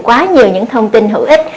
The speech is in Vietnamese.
quá nhiều những thông tin hữu ích